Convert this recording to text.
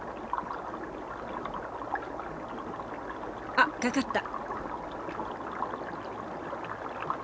あっ掛かった！